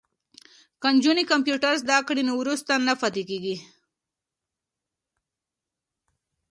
که نجونې کمپیوټر زده کړی نو وروسته نه پاتې کیږي.